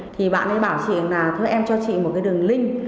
thì bạn ấy bảo chị là thuê em cho chị một cái đường link